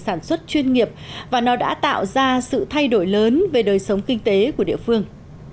sản xuất chuyên nghiệp và nó đã tạo ra sự thay đổi lớn về đời sống kinh tế của địa phương